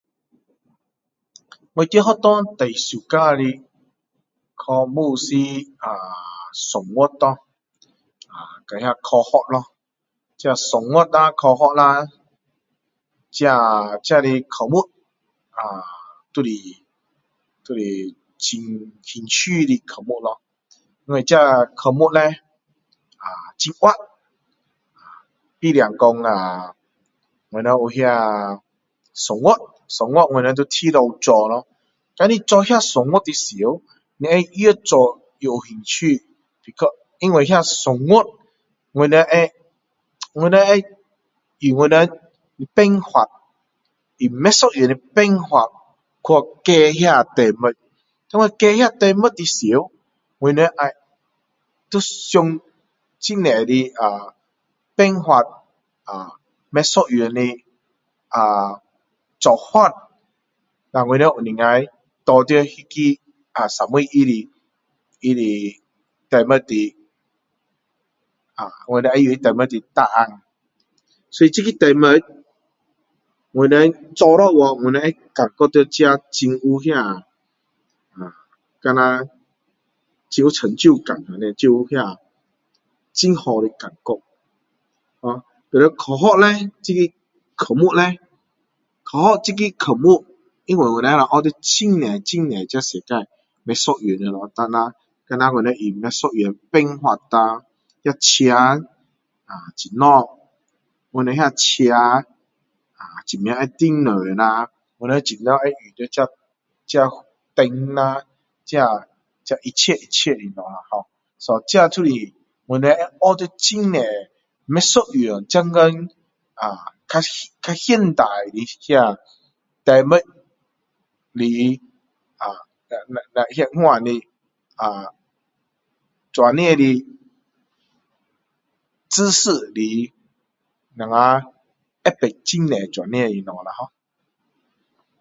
我在学校最喜欢的科目是[ahh]数学啰，跟那科学啰，这算术啦，科学啦，这这些科目 ahh 都是，都是很很兴趣的科目啰。因为这科目叻 [ahh]很活 [ahh]〔unclear〕我们有那,算术，算术我们要一直做啰，这样做那算术的时候，你会越做越有兴趣，becauce 因为那算术我们会，我们会,用我们的办法用不一样的办法，去解那题目。因为解那题目的时候，我们要，能想，很多的[ahh] 办法[ahh]不一样的[ahh]做法，那我们能够，拿到那个最后它的，它的题目的[ahh]我们知道它题目的答案，所以这题目，我们做下去我们感觉到自己很有那[ahh]好像很有成就感那样，很有那很好的感觉[ahh] 科学呢，这个科目叻，科学这个科目因为我们能够学到很多很多这个世界，不一样的物。当那好像我们用不一样的办法啊，那车[ahh]怎么，我们那车，怎么会振动呐？我们会怎样用到这灯呢？这一切一切的物[ohh]这就是我会会学到很多不一样，现在更更现代的那题目来 ahh [unintelligible] 那样的，这样的知识来,我们知道很多这样的东西哦。